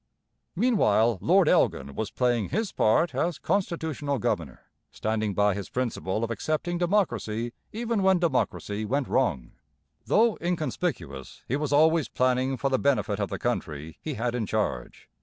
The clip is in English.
Meanwhile Lord Elgin was playing his part as constitutional governor, standing by his principle of accepting democracy even when democracy went wrong. Though inconspicuous, he was always planning for the benefit of the country he had in charge.